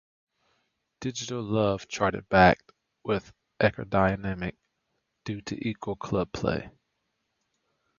"Digital Love" charted backed with "Aerodynamic" due to equal club play.